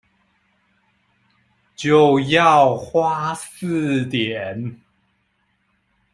就要花四點